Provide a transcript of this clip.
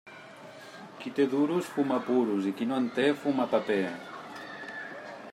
Qui té duros fuma puros i qui no en té fuma paper.